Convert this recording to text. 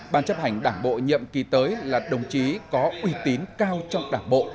ban chấp hành đảng bộ nhậm ký tới là đồng chí có uy tín cao trong đảng bộ